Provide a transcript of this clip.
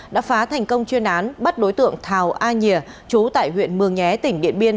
đã phá thành công chuyên án bắt đối tượng thảo a nhìa chú tại huyện mường nhé tỉnh điện biên